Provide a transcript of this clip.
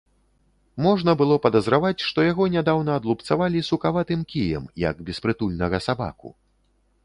Можна было падазраваць, што яго нядаўна адлупцавалі сукаватым кіем, як беспрытульнага сабаку.